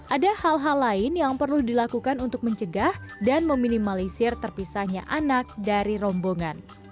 ada hal hal lain yang perlu dilakukan untuk mencegah dan meminimalisir terpisahnya anak dari rombongan